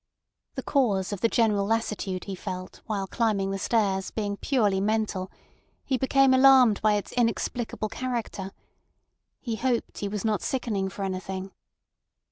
The cause of the general lassitude he felt while climbing the stairs being purely mental, he became alarmed by its inexplicable character. He hoped he was not sickening for anything.